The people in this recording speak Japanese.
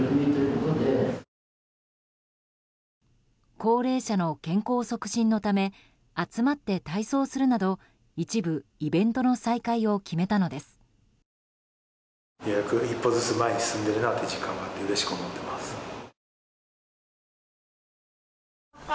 高齢者の健康促進のため集まって体操するなど一部、イベントの再開を決めたのです。